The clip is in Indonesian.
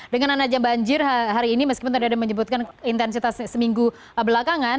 dengan adanya banjir hari ini meskipun tadi ada menyebutkan intensitas seminggu belakangan